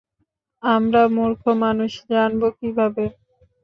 আমরা মূর্খ মানুষ, জানব কী কীভাবে?